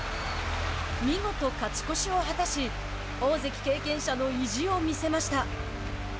見事勝ち越しを果たし大関経験者の意地を見せました。